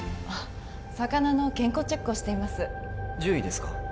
あっ魚の健康チェックをしています獣医ですか？